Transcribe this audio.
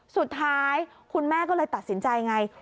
สุดท้ายคุณแม่ก็เลยตัดสินใจไง